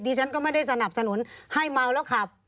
ฉันก็ไม่ได้สนับสนุนให้เมาแล้วขับ